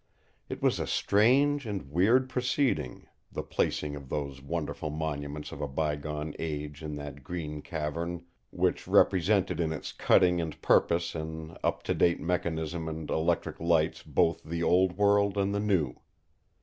It was a strange and weird proceeding, the placing of those wonderful monuments of a bygone age in that green cavern, which represented in its cutting and purpose and up to date mechanism and electric lights both the old world and the new.